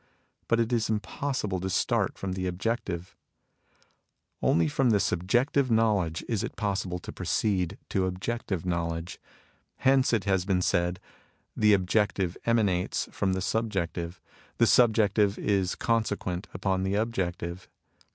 But it is impossible to start from the objective. Only from subjective knowledge is ALL THINGS ARE ONE 45 it possible to proceed to objective knowledge. Hence it has been said, * The objective emanates from the subjective ; the subjective is conse quent upon the objective.